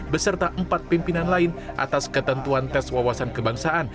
beserta empat pimpinan lain atas ketentuan tes wawasan kebangsaan